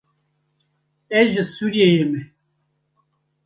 Ez ji Sûriyeyê me.